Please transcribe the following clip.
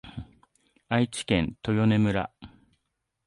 愛知県豊根村